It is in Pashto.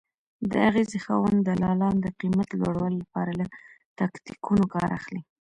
د اغېزې خاوند دلالان د قیمت لوړوالي لپاره له تاکتیکونو کار اخلي.